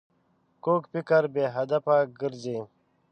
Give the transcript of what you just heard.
کوږ فکر بې هدفه ګرځي